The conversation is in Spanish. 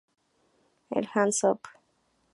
El Hands Up!